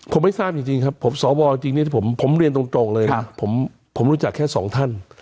ผมไม่ทราบจริงครับผมสวจริงผมเรียนตรงเลยนะผมรู้จักแค่สองท่าน